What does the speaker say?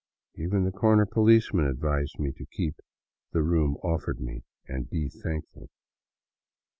Even the corner policeman advised me to keep the *' room " offered me and be thankful.